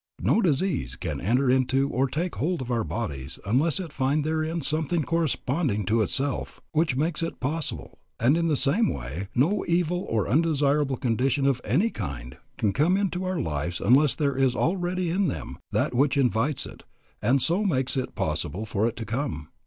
No disease can enter into or take hold of our bodies unless it find therein something corresponding to itself which makes it possible. And in the same way, no evil or undesirable condition of any kind can come into our lives unless there is already in them that which invites it and so makes it possible for it to come.